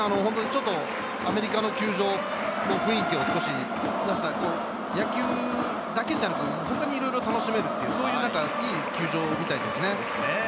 アメリカの球場の雰囲気を少し野球だけではなく、他にいろいろ楽しめる、いい球場のようですね。